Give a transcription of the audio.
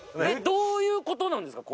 どういうことなんですか？